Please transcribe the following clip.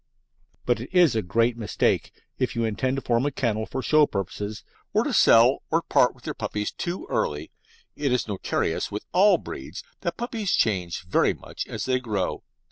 But it is a great mistake, if you intend to form a kennel for show purposes, to sell or part with your puppies too early. It is notorious with all breeds that puppies change very much as they grow.